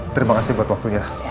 terima kasih buat waktunya